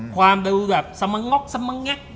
ความแบบสมังง็อกสมังแยก